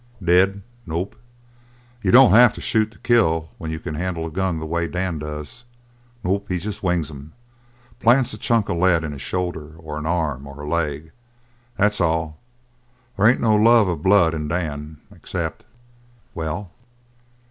"Dead? Nope. You don't have to shoot to kill when you can handle a gun the way Dan does. Nope, he jest wings 'em. Plants a chunk of lead in a shoulder, or an arm, or a leg. That's all. They ain't no love of blood in Dan except " "Well?"